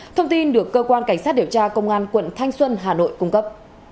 thông tin được cơ quan cảnh sát điều tra công an quận thanh xuân hà nội cung cấp